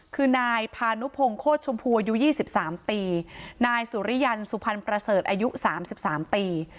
คือนายพานุพงศ์โคชชมพูอายุยี่สิบสามปีนายสุริยันทร์สุพรรณประเสริฐอายุสามสิบสามปี